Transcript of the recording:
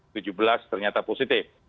tujuh belas ternyata positif